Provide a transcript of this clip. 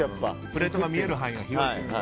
プレートが見える範囲が広いと。